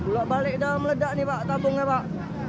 buk balik dah meledak nih pak tabungnya pak